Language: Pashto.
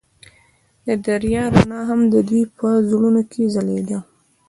د دریا رڼا هم د دوی په زړونو کې ځلېده.